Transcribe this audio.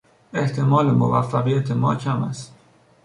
احتمال موفقیت ما کم است.